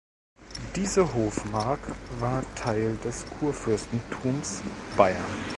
Diese Hofmark war Teil des Kurfürstentums Bayern.